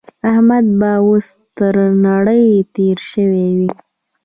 احمد به اوس تر نړۍ تېری شوی وي.